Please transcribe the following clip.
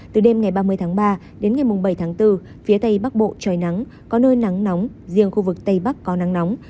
từ đêm ngày ba mươi tháng ba đến ngày bảy tháng bốn phía tây bắc bộ trời nắng có nơi nắng nóng riêng khu vực tây bắc có nắng nóng